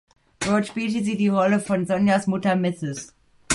Dort spielte sie die Rolle von Sonjas Mutter "Mrs.